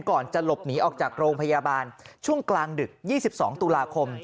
ก่อนจะหลบหนีออกจากโรงพยาบาลช่วงกลางดึก๒๒ตุลาคม